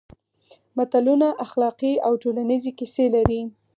متلونه اخلاقي او ټولنیزې کیسې لري